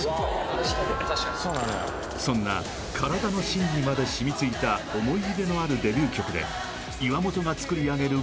確かにそんな体の芯にまで染みついた思い入れのあるデビュー曲で岩本が作り上げる